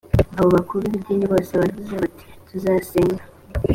abo bakuru b’ idini bose baravuze bati tuzasenga.